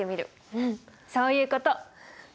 うんそういうこと。